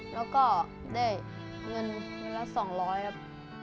แล้วก็ได้เงินละ๒๐๐บาทครับ